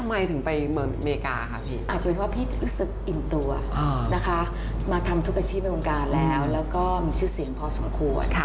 มีชีวิตในวงการแล้วแล้วก็มีชื่อเสียงพอสมควร